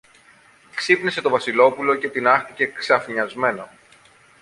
Ξύπνησε το Βασιλόπουλο και τινάχτηκε ξαφνισμένο.